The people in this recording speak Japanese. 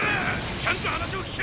ちゃんと話を聞け！